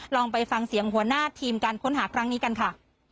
ลองไปฟังเสียงหัวหน้าทีมการค้นหาครั้งนี้กันค่ะ